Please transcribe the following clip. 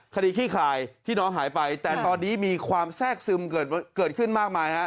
ขี้คลายที่น้องหายไปแต่ตอนนี้มีความแทรกซึมเกิดขึ้นมากมายฮะ